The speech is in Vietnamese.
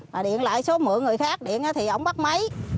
mà điện lại số mượn người khác điện thì ổng bắt máy